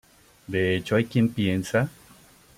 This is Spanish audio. de hecho hay quien piensa